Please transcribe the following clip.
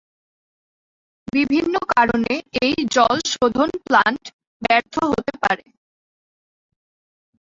বিভিন্ন কারণে এই জল শোধন প্লান্ট ব্যর্থ হতে পারে।